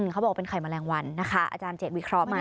เขาบอกว่าเป็นไข่แมลงวันนะคะอาจารย์เจ็ดวิเคราะห์มา